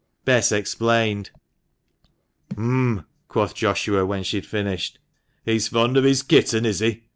Bess explained. " Um !" quoth Joshua, when she had finished, " he's fond of his kitten, is he?"